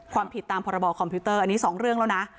ความผิดตามพรบคอมพิวเตอร์อันนี้๒เรื่องแล้วนะ